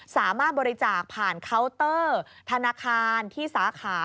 สามารถบริจาคผ่านเคาน์เตอร์ธนาคารที่สาขา